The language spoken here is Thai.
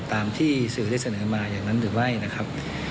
ตามที่สื่อได้เสนอมาอย่างนั้นหรือไม่นะครับ